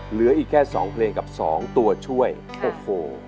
เหลืออีกแค่สองเพลงกับสองตัวช่วยโอ้โห